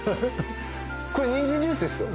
これニンジンジュースですよ